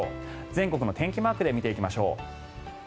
全国の天気マークで見ていきましょう。